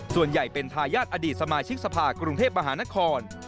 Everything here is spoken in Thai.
ส่วนใหญ่เป็นทายาทอดีตสมาชิกสภากรุงเทพมหานคร